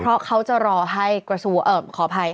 เพราะเขาจะรอให้กระทรวงขออภัย